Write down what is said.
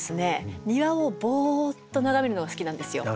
庭をぼっと眺めるのが好きなんですよ。